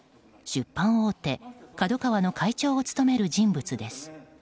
出版大手ＫＡＤＯＫＡＷＡの会長を務める人物です。